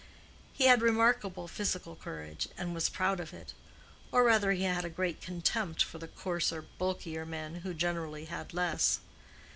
He had remarkable physical courage, and was proud of it—or rather he had a great contempt for the coarser, bulkier men who generally had less.